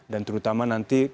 dan terutama nanti